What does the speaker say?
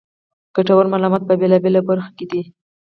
ګټورمعلومات په بېلا بېلو برخو کې دي.